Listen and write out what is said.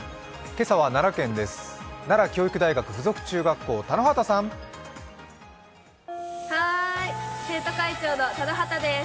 今朝は奈良県です。